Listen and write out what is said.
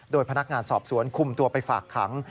โดยพนักงานสอบสวนคุมตัวไปฝากขัง